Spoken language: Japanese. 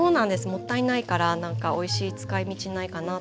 もったいないからなんかおいしい使いみちないかなと思って